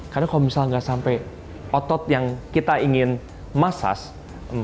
karena kalau misalnya nggak sampai otot yang kita ingin massage